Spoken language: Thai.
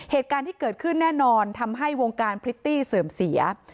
เหตุการณ์ที่เกิดขึ้นแน่นอนทำให้วงการพริตตี้เสื่อมเสีย